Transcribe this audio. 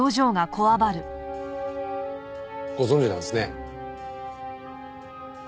ご存じなんですね。